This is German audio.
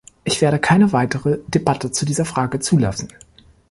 Ich werde keine weitere Debatte zu dieser Frage zulassen.